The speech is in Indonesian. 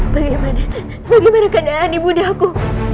bagaimana bagaimana akan daya ini budi aku